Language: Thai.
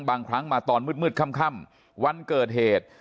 บางครั้งมาตอนมืดค่ำวันเกิดเหตุ